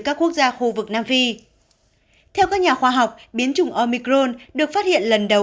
các quốc gia khu vực nam phi theo các nhà khoa học biến chủng omicron được phát hiện lần đầu